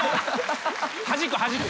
はじくはじく。